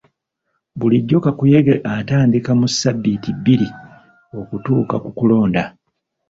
Bulijjo kakuyege atandika mu sabbiiti bbiri okutuuka ku kulonda.